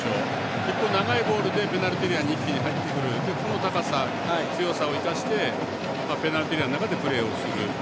一方、長いボールでペナルティーエリアに一気に入ってくる個の高さ、強さを生かしてペナルティーエリアの中でプレーする。